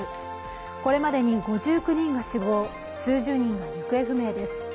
これまでに５９人が死亡、数十人が行方不明です。